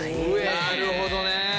なるほどねえ。